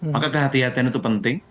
maka kehatian itu penting